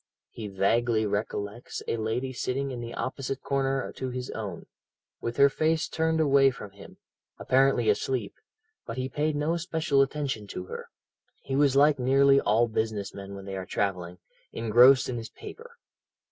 He vaguely recollects a lady sitting in the opposite corner to his own, with her face turned away from him, apparently asleep, but he paid no special attention to her. He was like nearly all business men when they are travelling engrossed in his paper.